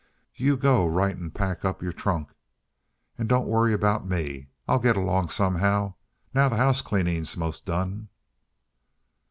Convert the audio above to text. You go right an' pack up yer trunk, an' don't worry about me I'll git along somehow, now the house cleanin's most done."